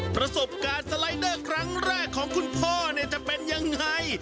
ประสบการณ์สไลเดอร์ครั้งแรกของคุณพ่อเนี่ยจะเป็นยังไง